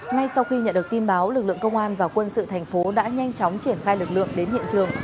ngay sau khi nhận được tin báo lực lượng công an và quân sự thành phố đã nhanh chóng triển khai lực lượng đến hiện trường